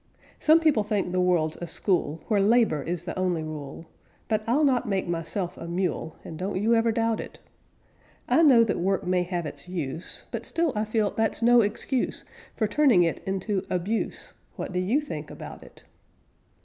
Some people think the world's a school, Where labor is the only rule; But I'll not make myself a mule, And don't you ever doubt it. I know that work may have its use, But still I feel that's no excuse For turning it into abuse; What do you think about it?